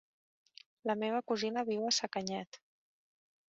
La meva cosina viu a Sacanyet.